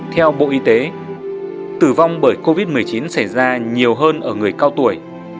theo bộ y tế tử vong bởi covid một mươi chín xảy ra nhiều hơn ở người cao tuổi